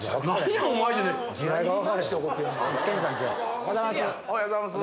おはようございます。